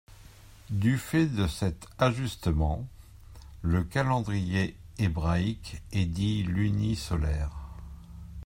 Du fait de cet ajustement, le calendrier hébraïque est dit luni-solaire.